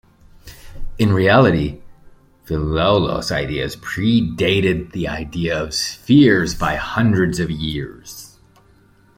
In reality, Philolaus' ideas predated the idea of spheres by hundreds of years.